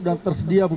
dan tersedia pupuk